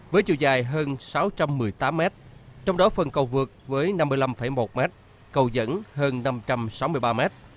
với chiều dài hơn sáu trăm một mươi tám m trong đó phần cầu vượt với năm mươi năm một m cầu dẫn hơn năm trăm sáu mươi ba m